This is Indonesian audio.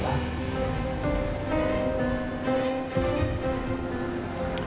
bapak harus lebih hati hati lagi pak